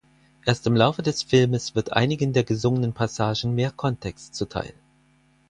Erst im Laufe des Filmes wird einigen der gesungenen Passagen mehr Kontext zuteil.